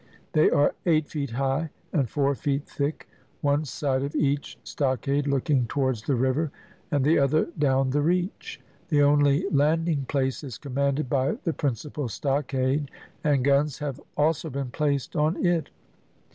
They are eight feet high, and four feet thick; one side of each stockade looking towards the river, and the other down the reach. The only landing place is commanded by the principal stockade, and guns have also been placed on it.